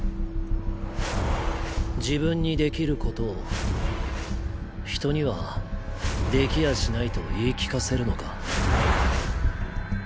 自分にできることを人にはできやしないと言い聞かせるのか？